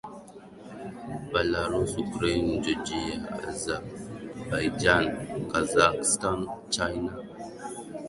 Belarus Ukraine Georgia Azerbaijan Kazakhstan China